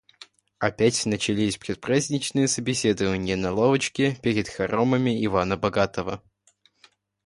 Опять начались предпраздничные собеседования на лавочке перед хоромами Ивана Богатого